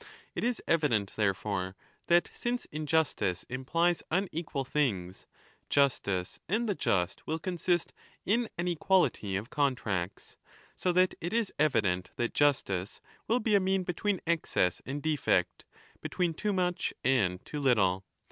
It is evident, therefore, that since injustice implies unequal things, justice and the just will consist in an equality of contracts. So that it is evident that justice will be a mean between excess and 25 defect, between too much and too little.